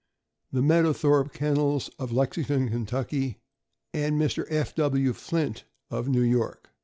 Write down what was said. the Meadowthorpe Kennels, of Lexington, Ky., and Mr. F. W. Flint, of New York.